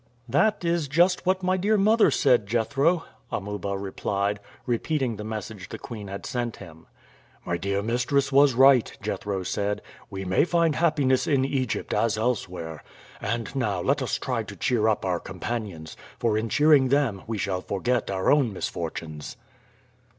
"That is just what my dear mother said, Jethro," Amuba replied, repeating the message the queen had sent him. "My dear mistress was right," Jethro said. "We may find happiness in Egypt as elsewhere; and now let us try to cheer up our companions, for in cheering them we shall forget our own misfortunes."